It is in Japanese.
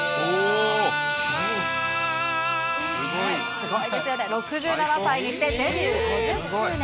すごいですよね、６７歳にしてデビュー５０周年。